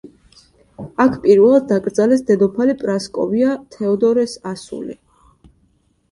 აქ პირველად დაკრძალეს დედოფალი პრასკოვია თეოდორეს ასული.